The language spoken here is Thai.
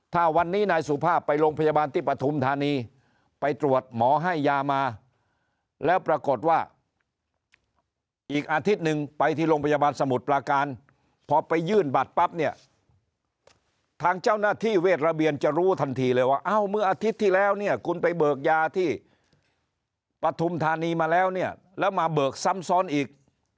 ถ้าวันนี้นายสุภาพไปโรงพยาบาลที่ปฐุมธานีไปตรวจหมอให้ยามาแล้วปรากฏว่าอีกอาทิตย์หนึ่งไปที่โรงพยาบาลสมุทรปลาการพอไปยื่นบัตรปั๊บเนี่ยทางเจ้าหน้าที่เวทระเบียนจะรู้ทันทีเลยว่าเอ้าเมื่ออาทิตย์ที่แล้วเนี่ยคุณไปเบิกยาที่ปฐุมธานีมาแล้วเนี่ยแล้วมาเบิกซ้ำซ้อนอีก